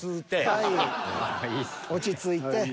はい落ち着いて。